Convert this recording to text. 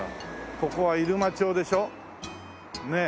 ここは入間町でしょ？ねえ。